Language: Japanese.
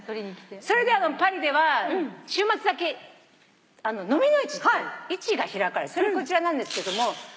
それでパリでは週末だけのみの市っていう市が開かれてそれがこちらなんですけど。